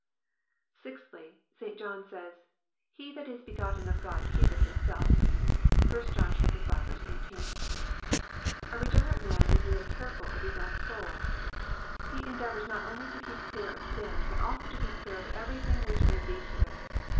(6) Sixthly, St. John says, "He that is begotten of God keepeth himself." (1 John v. 18.) A regenerate man is very careful of his own soul. He endeavours not only to keep clear of sin, but also to keep clear of everything which may lead to it.